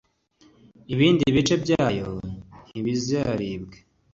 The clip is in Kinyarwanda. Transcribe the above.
ibindi bice byayo ntibiribwe.